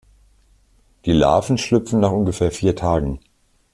Die Larven schlüpfen nach ungefähr vier Tagen.